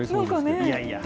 いやいや。